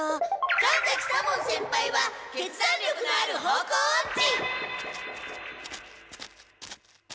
神崎左門先輩は決断力のある方向オンチ！